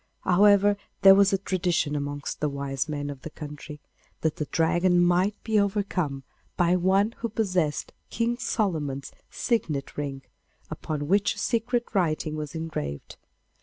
However, there was a tradition amongst the wise men of the country that the Dragon might be overcome by one who possessed King Solomon's signet ring, upon which a secret writing was engraved.